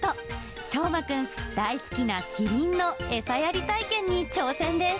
しょうまくん、大好きなキリンの餌やり体験に挑戦です。